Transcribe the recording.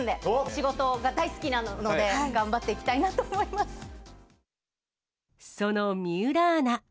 仕事が大好きなので、頑張っていその水卜アナ。